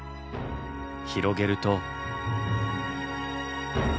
広げると。